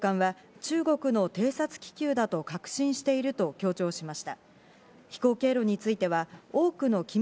高官は、中国の偵察気球だと確信していると強調しました。